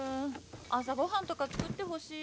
朝ご飯とか作ってほしい。